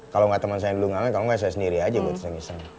kalau gak temen saya yang dulu ngamen kalau gak saya sendiri aja buat iseng iseng